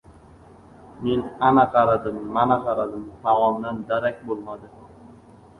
Men ana qaradim-mana qaradim —taomdan darak bo‘lmadi.